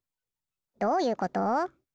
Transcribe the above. どういうこと？